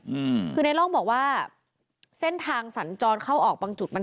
อืมคือในร่องบอกว่าเส้นทางสัญจรเข้าออกบางจุดมัน